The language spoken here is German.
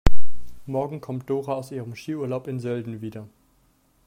Morgen kommt Dora aus ihrem Skiurlaub in Sölden wieder.